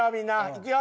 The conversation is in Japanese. いくよ！